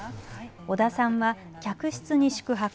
小田さんは客室に宿泊。